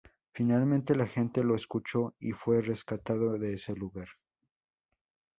Finalmente la gente lo escuchó y fue rescatado de ese lugar.